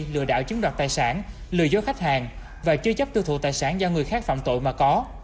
lừa đảo chiếm đoạt tài sản lừa dối khách hàng và chưa chấp tư thụ tài sản do người khác phạm tội mà có